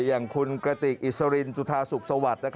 อย่างคุณกระติกอิสรินจุธาสุขสวัสดิ์